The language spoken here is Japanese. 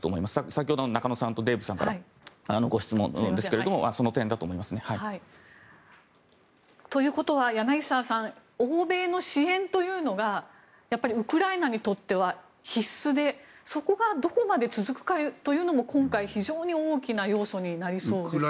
先ほどの中野さんとデーブさんからのご質問はその点だと思いますね。ということは、柳澤さん欧米の支援というのがやっぱりウクライナにとっては必須でそこがどこまで続くかというのが今回非常に大きな要素になりそうですね。